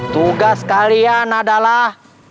tugas kalian adalah